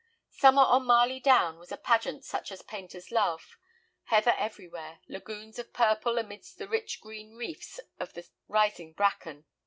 Summer on Marley Down was a pageant such as painter's love. Heather everywhere, lagoons of purple amid the rich green reefs of the rising bracken.